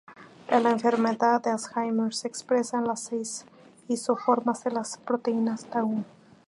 En la enfermedad de Alzheimer se expresan las seis isoformas de las proteínas tau.